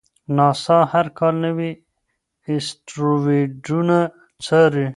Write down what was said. ناسا هر کال نوي اسټروېډونه څاري.